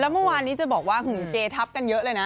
เมื่อวานนี้จะบอกว่าเกทับกันเยอะเลยนะ